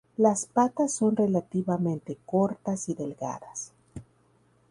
Las patas son relativamente cortas y delgadas.